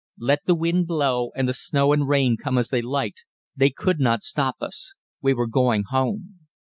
Let the wind blow, and the snow and rain come as they liked, they could not stop us we were going home.